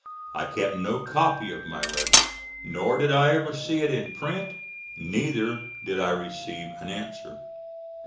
I kept no copy of my letter, nor did I ever see it in print; neither did I receive an answer.